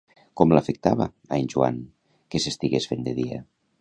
Com l'afectava, a en Joan, que s'estigués fent de dia?